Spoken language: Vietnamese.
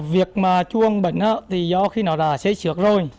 việc mà chuông bệnh thì do khi nó đã xếp xước rồi